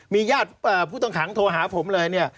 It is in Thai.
มีญาติผู้ต้องขังโทรหาผมเลยเนี่ย